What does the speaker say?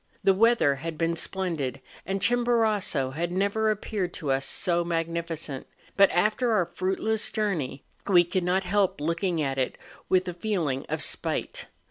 The weather had been splendid, and Chimborazo had never appeared to us so magnificent; but, after our fruitless journey, we could not help looking at it with a feeling of spite.